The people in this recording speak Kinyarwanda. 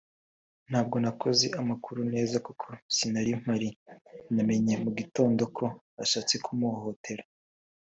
“Ntabwo nakoze amakuru neza kuko sinari mpari nabimenye mu gitondo ko bashatse kumuhohotera